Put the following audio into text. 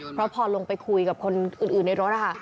เพราะพอลงไปคุยกับคนอื่นในรถนะคะ